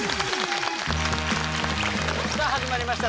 さあ始まりました